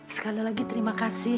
sekali lagi terima kasih